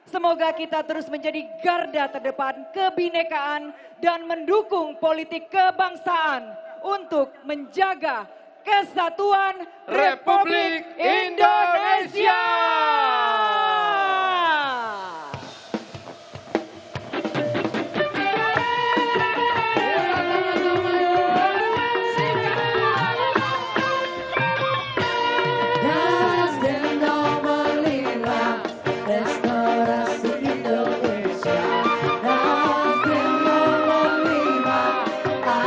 semoga kita terus menjadi garda terdepan kebinekaan dan mendukung politik kebangsaan untuk menjaga kesatuan republik indonesia